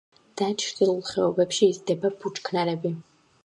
დაჩრდილულ ხეობებში იზრდება ბუჩქნარები.